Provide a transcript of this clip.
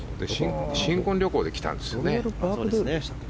新婚旅行で来たんですよね。